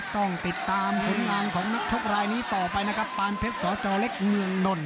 ต้องติดตามผลงานของนักชกรายนี้ต่อไปนะครับปานเพชรสจเล็กเมืองนนท